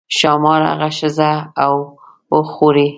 ښامار هغه ښځه او اوښ خوري.